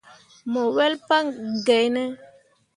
Mo wel pa gai ne.